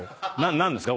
何ですか？